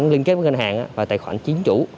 liên kết với ngân hàng và tài khoản chính chủ